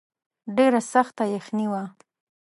ډېره سخته یخني وه.